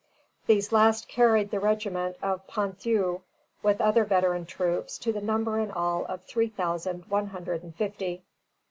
] These last carried the regiment of Ponthieu, with other veteran troops, to the number in all of three thousand one hundred and fifty.